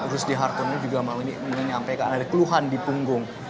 rustihartono ini juga menyampaikan ada keluhan di punggung